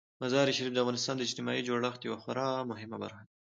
مزارشریف د افغانستان د اجتماعي جوړښت یوه خورا مهمه برخه ده.